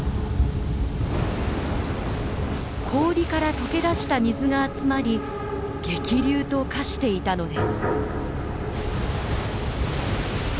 氷からとけ出した水が集まり激流と化していたのです。